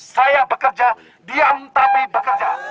saya bekerja diam tapi bekerja